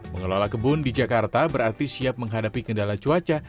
mengelola kebun di jakarta berarti siap menghadapi kendala cuaca